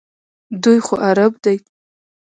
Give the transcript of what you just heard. دوی خو عرب دي.